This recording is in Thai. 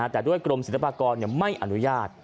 แต่กรมสินภักดิ์ยังไม่อนุญาต